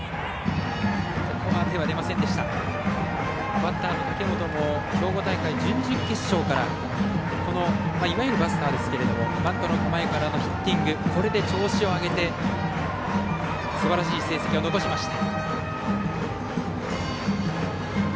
バッターの武本も兵庫大会、準々決勝からいわゆるバスターですけどもバントの構えからのヒッティングこれで調子を上げてすばらしい成績を残しました。